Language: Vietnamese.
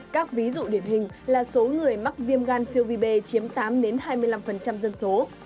các ví dụ điển hình là số người mắc viêm gan siêu vi b chiếm tám hai mươi năm dân số